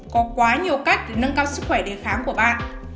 có quá nhiều cách để nâng cao sức khỏe đề khám của bạn